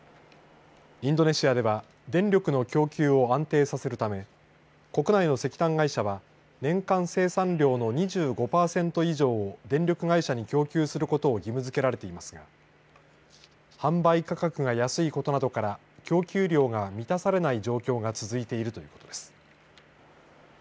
インドネシアでは電力の供給を安定させるため国内の石炭会社は年間生産量の２５パーセント以上を電力会社に供給することを義務づけられていますが販売価格が安いことなどから供給量が満たされない状況が続いているということです。